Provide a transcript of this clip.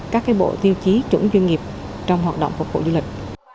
các bộ tiêu chí chủng doanh nghiệp trong hoạt động phục vụ du lịch